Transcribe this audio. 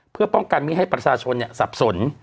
เพื่อป้องกันไม่ให้ประชาชนสับสน